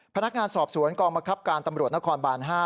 พนักงานสอบสวนกองบังคับการตำรวจนครบาน๕